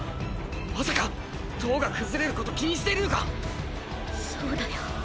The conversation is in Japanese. まさか塔が崩れること気にしてるのか⁉そうだよ